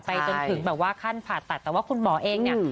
จนถึงแบบว่าขั้นผ่าตัดแต่ว่าคุณหมอเองเนี่ย